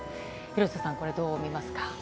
廣瀬さん、これ、どうみますか？